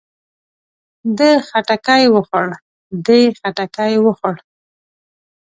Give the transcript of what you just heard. ده خټکی وخوړ. دې خټکی وخوړ.